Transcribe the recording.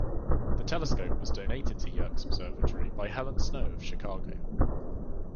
The telescope was donated to Yerkes Observatory by Helen Snow of Chicago.